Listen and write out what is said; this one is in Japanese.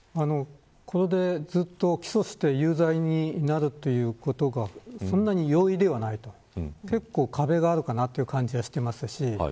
これで起訴して有罪になるということがそんなに容易ではないと結構壁があるかなという感じはしています。